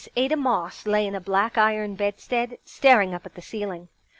Ada^ Moss lay in a black iron bedstead, staring up at the ceiling.